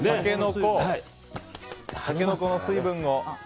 タケノコの水分を。